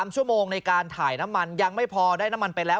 ๓ชั่วโมงในการถ่ายน้ำมันยังไม่พอได้น้ำมันไปแล้ว